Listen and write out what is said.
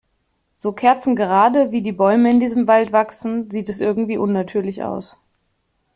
So kerzengerade, wie die Bäume in diesem Wald wachsen, sieht es irgendwie unnatürlich aus.